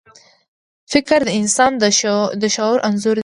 فکر د انسان د شعور انځور دی.